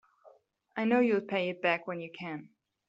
I know you'll pay it back when you can.